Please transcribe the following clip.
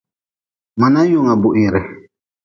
Ma nanyunga buhire.